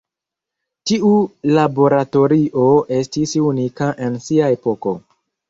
Tiu laboratorio estis unika en sia epoko.